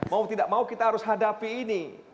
mau tidak mau kita harus hadapi ini